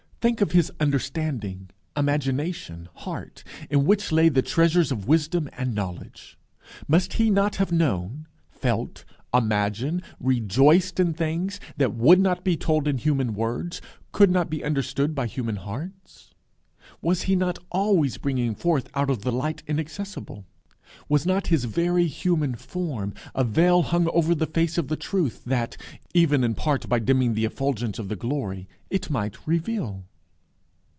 Think of his understanding, imagination, heart, in which lay the treasures of wisdom and knowledge. Must he not have known, felt, imagined, rejoiced in things that would not be told in human words, could not be understood by human hearts? Was he not always bringing forth out of the light inaccessible? Was not his very human form a veil hung over the face of the truth that, even in part by dimming the effulgence of the glory, it might reveal?